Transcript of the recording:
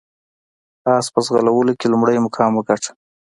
اس په ځغلولو کې لومړی مقام وګاټه.